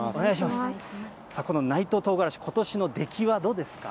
この内藤とうがらし、ことしの出来はどうですか。